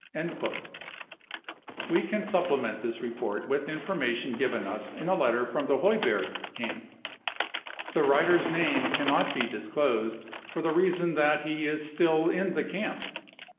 55 We can supplement this report with information given us in a letter from the Heuberg camp. The writer's name can not be disclosed, for the reason that he is still in the camp.